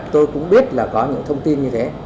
tôi cũng biết là có những thông tin như thế